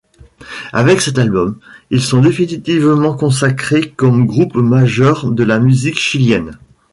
Avec cet album, ils sont définitivement consacrés comme groupe majeur de la musique chilienne.